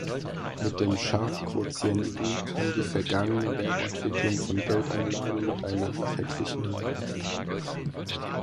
Mit dem Sharpe-Quotienten kann die vergangene Wertentwicklung von Geldanlagen miteinander verglichen werden.